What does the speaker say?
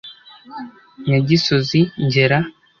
Nyagisozi Ngera